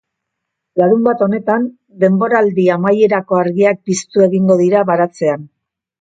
Larunbat honetan, denboraldi amaierako argiak piztu egingo dira baratzean.